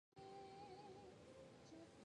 君はトイレに行きたいのかい？